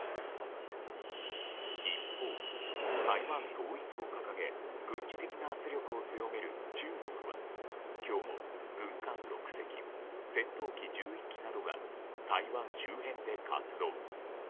一方、台湾統一を掲げ軍事的な圧力を強める中国は今日も、軍艦６隻戦闘機１１機などが台湾周辺で活動。